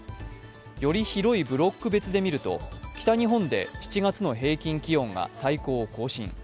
より広いブロック別で見ると北日本で７月の平均気温が最高を更新。